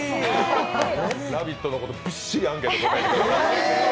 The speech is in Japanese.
「ラヴィット！」のことビッシリアンケート答えてくれて。